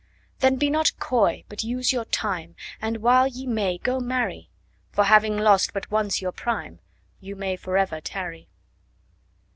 Then be not coy, but use your time, And while ye may, go marry: For having lost but once your prime, 15 You may for ever tarry.